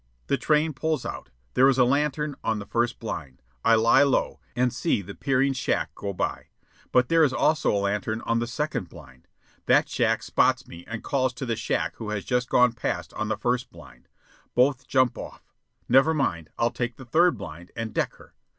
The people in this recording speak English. The train pulls out. There is a lantern on the first blind. I lie low, and see the peering shack go by. But there is also a lantern on the second blind. That shack spots me and calls to the shack who has gone past on the first blind. Both jump off. Never mind, I'll take the third blind and deck her.